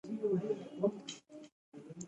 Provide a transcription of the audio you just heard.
لعل د افغانستان د بڼوالۍ برخه ده.